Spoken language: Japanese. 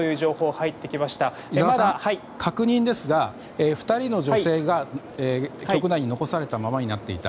井澤さん、確認ですが２人の女性が局内に残されたままになっていた。